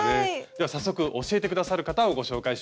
では早速教えて下さる方をご紹介しましょう。